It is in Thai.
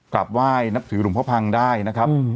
กลับว่ายถือหลุงพ่อพังได้นะครับ